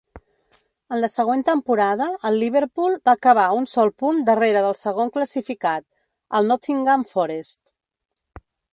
En la següent temporada, el Liverpool va acabar un sol punt darrere del segon classificat, el Nottingham Forest.